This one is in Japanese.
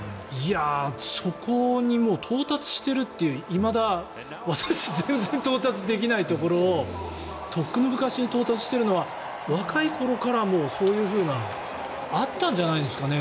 そこにもう到達しているといういまだ私、全然到達できないところをとっくの昔に到達しているのは若い頃からそういうふうなのがあったんじゃないんですかね。